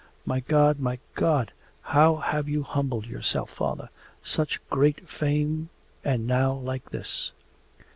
'My God, my God! How you have humbled yourself, Father! Such great fame, and now like this...